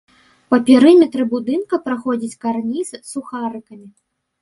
Па перыметры будынка праходзіць карніз з сухарыкамі.